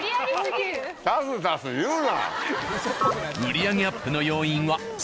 売り上げアップの要因はその中身。